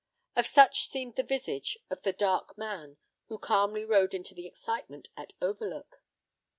Of such seemed the visage of the dark man, who calmly rode into the excitement at Overlook.